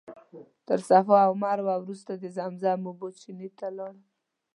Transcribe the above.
تر صفا او مروه وروسته د زمزم اوبو چینې ته لاړم.